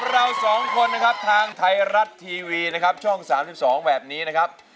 ทางไทยรัฐทีวีนะครับช่อง๓๒แบบนี้นะครับ